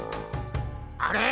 あれ？